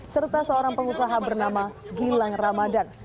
serta seorang pengusaha bernama gilang ramadan